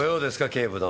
警部殿。